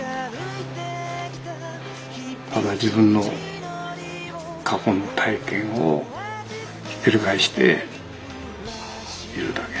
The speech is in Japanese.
ただ自分の過去の体験をひっくり返しているだけ。